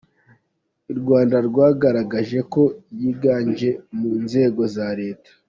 I Rwanda bwagaragaje ko yiganje mu nzego za Leta.